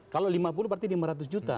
kalau lima puluh berarti lima ratus juta